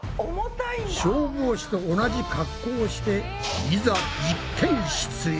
消防士と同じ格好をしていざ実験室へ！